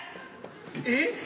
えっ？